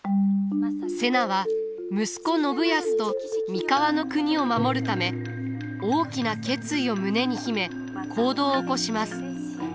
瀬名は息子信康と三河国を守るため大きな決意を胸に秘め行動を起こします。